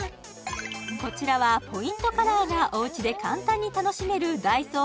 こちらはポイントカラーがおうちで簡単に楽しめるＤＡＩＳＯ